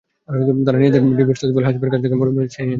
তারা নিজেদের ডিবির সোর্স বলে হাসিবের কাছ থেকে মুঠোফোনটি ছিনিয়ে নেয়।